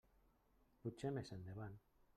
Potser més endavant.